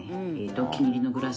お気に入りのグラスと。